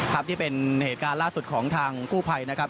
ครับนี่เป็นเหตุการณ์ล่าสุดของทางกู้ภัยนะครับ